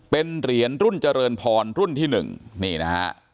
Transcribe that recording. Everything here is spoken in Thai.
เป็นเหรียญรุ่นเจริญพรรุ่นที่๑นี่นะฮะ